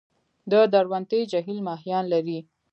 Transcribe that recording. د درونټې جهیل ماهیان لري؟